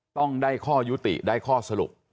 ต้องได้ข้อยุติได้ข้อสรุป